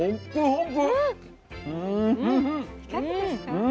うん。